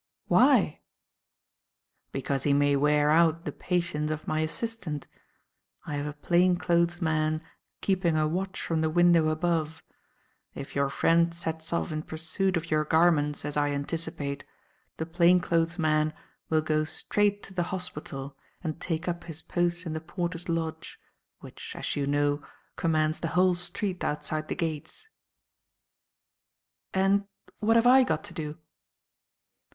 "Why?" "Because he may wear out the patience of my assistant. I have a plain clothes man keeping a watch from the window above. If your friend sets off in pursuit of your garments, as I anticipate, the plain clothes man will go straight to the hospital and take up his post in the porter's lodge, which, as you know, commands the whole street outside the gates." "And what have I got to do?"